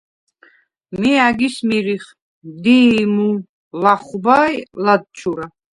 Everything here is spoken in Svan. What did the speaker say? მი ა̈გის მირიხ: დი̄ჲმუ, ლახვბა ი ლადჩურა.